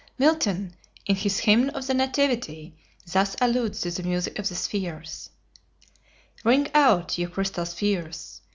Milton, in his "Hymn on the Nativity," thus alludes to the music of the spheres: "Ring out, ye crystal spheres!